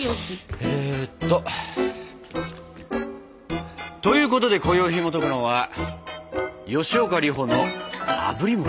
えっと。ということでこよいひもとくのは「吉岡里帆のあぶり餅」。